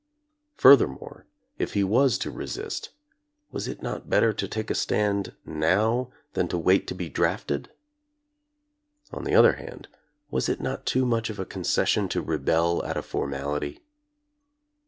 Furthermore, if he was to resist, was it not better to take a stand now than to wait to be drafted? On the other hand, was it not too much of a concession to rebel at a formality'?